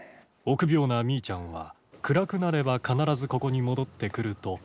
臆病なミイちゃんは暗くなれば必ずここに戻ってくると推理した。